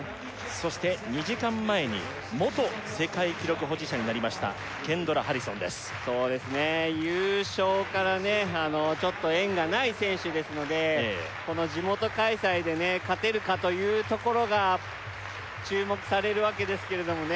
そして２時間前に元世界記録保持者になりましたケンドラ・ハリソンですそうですね優勝からちょっと縁がない選手ですのでこの地元開催で勝てるかというところが注目されるわけですけれどもね